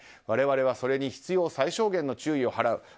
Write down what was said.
我々はそれに必要最小限の注意を払う。